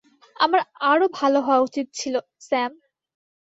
আমার আরও ভালো হওয়া উচিত ছিল, স্যাম।